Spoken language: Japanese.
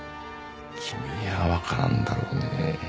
君には分からんだろうね。